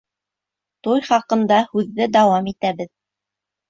Туй хаҡында һүҙҙе дауам итәбеҙ.